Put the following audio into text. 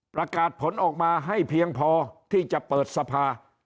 ประกาศผลออกมาให้เพียงพอที่จะเปิดสภา